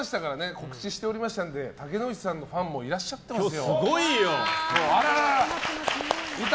告知しておりましたので竹野内さんのファンもいらっしゃってますよ。